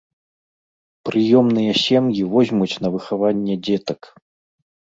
Прыёмныя сем'і возьмуць на выхаванне дзетак.